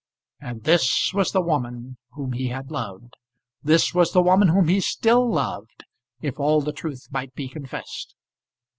And this was the woman whom he had loved! This was the woman whom he still loved, if all the truth might be confessed.